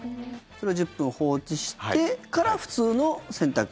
それで１０分放置してから普通の洗濯？